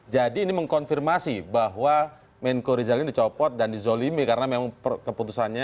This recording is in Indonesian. jadi ini mengkonfirmasi bahwa menko riza ini dicopot dan dizolomi karena memang keputusannya